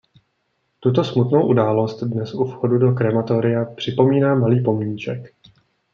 Tuto smutnou událost dnes u vchodu do krematoria připomíná malý pomníček.